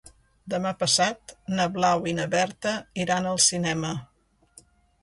Demà passat na Blau i na Berta iran al cinema.